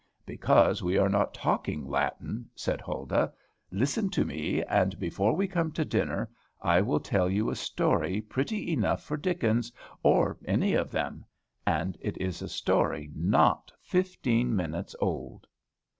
"Because we are not talking Latin," said Huldah. "Listen to me; and, before we come to dinner, I will tell you a story pretty enough for Dickens, or any of them; and it is a story not fifteen minutes old.